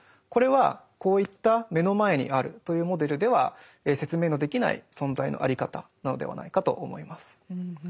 これはこういった目の前にあるというモデルでは説明のできない存在のあり方なのではないかと思います。